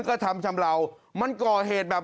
กระทำชำเลามันก่อเหตุแบบ